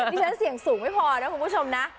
ฉันเสี่ยงสูงไม่พอนะคุณผู้ชมนะ